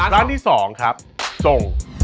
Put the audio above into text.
ร้านที่๒ครับส่ง